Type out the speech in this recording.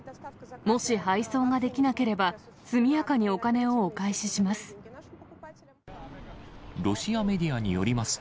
もし配送ができなければ、速やかにお金をお返しします。